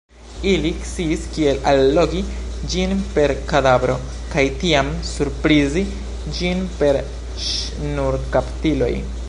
Ili sciis kiel allogi ĝin per kadavro kaj tiam surprizi ĝin per ŝnurkaptiloj.